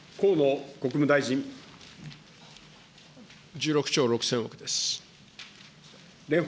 １６兆６０００億です。